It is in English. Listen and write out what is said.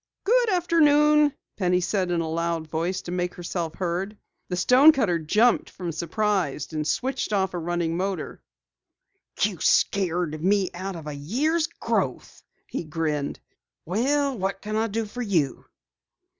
"Good afternoon," Penny said in a loud voice to make herself heard. The stonecutter jumped from surprise and switched off a running motor. "You scared me out of a year's growth," he grinned. "Well, what can I do for you?"